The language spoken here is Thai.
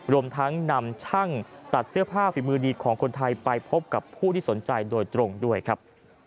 รวมทั้งนำช่างตัดเสื้อผ้าฝีมือดีของคนไทยไปพบกับผู้ที่สนใจโดยตรงด้วยครับ